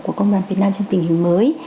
của công đoàn việt nam trong tình hình mới